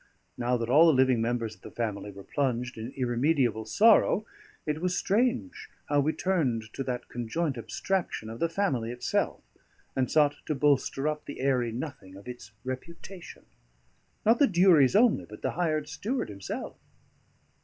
Now that all the living members of the family were plunged in irremediable sorrow, it was strange how we turned to that conjoint abstraction of the family itself, and sought to bolster up the airy nothing of its reputation: not the Duries only, but the hired steward himself.